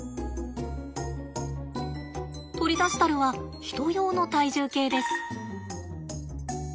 取り出したるはヒト用の体重計です。